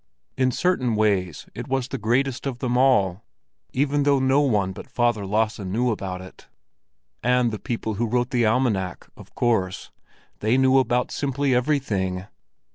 In certain ways it was the greatest of them all, even though no one but Father Lasse knew about it—and the people who wrote the almanac, of course; they knew about simply everything!